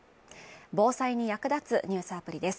防災に役立つニュースアプリです。